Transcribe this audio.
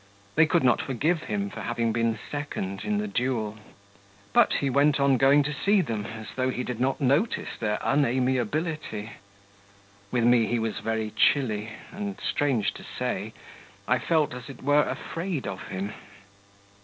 They could not forgive him for having been second in the duel. But he went on going to see them, as though he did not notice their unamiability. With me he was very chilly, and strange to say I felt, as it were, afraid of him.